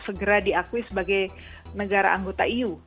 segera diakui sebagai negara anggota eu